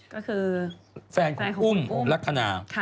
ก็คือแฟนของอุ้มลักษณะ